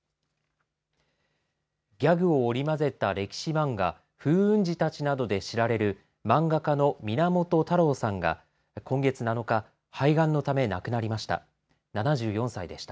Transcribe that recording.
ギャグを織り交ぜた歴史漫画、風雲児たちなどで知られる漫画家のみなもと太郎さんが今月７日、肺がんのため亡くなりました。